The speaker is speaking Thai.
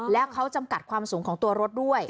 แล้วเขาจำกัดความสูงของตัวรถด้วย